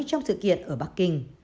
trong sự kiện ở bắc kinh